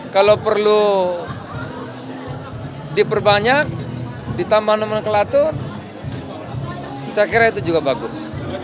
kalau perlu diperbanyak ditambah nomenklatur saya kira itu juga bagus